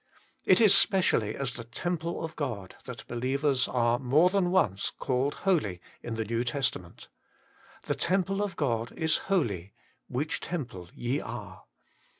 It is specially as the temple of God that believers are more than once called holy in the New Testament :' The temple of God is holy, which temple ye are.'